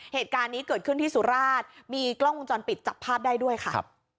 เหตุการณ์นี้เกิดขึ้นที่สุราชมีกล้องวงจรปิดจับภาพได้ด้วยค่ะ